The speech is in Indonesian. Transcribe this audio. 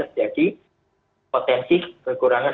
di potensi kekurangan